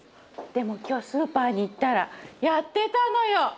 でも今日スーパーに行ったらやってたのよ